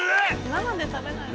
生で食べない。